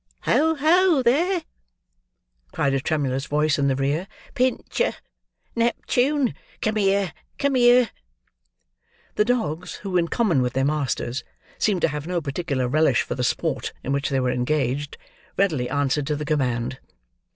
"Ho, ho, there!" cried a tremulous voice in the rear. "Pincher! Neptune! Come here, come here!" The dogs, who, in common with their masters, seemed to have no particular relish for the sport in which they were engaged, readily answered to the command.